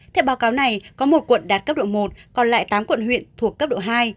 theo báo cáo này có một quận đạt cấp độ một còn lại tám quận huyện thuộc cấp độ hai